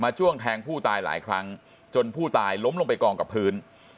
จ้วงแทงผู้ตายหลายครั้งจนผู้ตายล้มลงไปกองกับพื้น